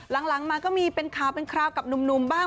แล้วก็หลังมาก็มีเป็นข่าวกับนุ่มบ้าง